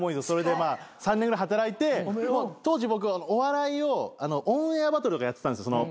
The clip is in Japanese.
それでまあ３年ぐらい働いて当時僕はお笑いを『オンエアバトル』とかやってたんです。